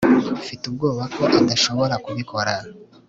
mfite ubwoba ko adashobora kubikora